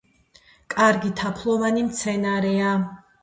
კარგი თაფლოვანი მცენარეა.